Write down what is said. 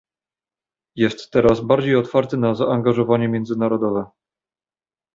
Jest teraz bardziej otwarty na zaangażowanie międzynarodowe